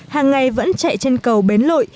hàng ngày vẫn chạy trên cầu bến lội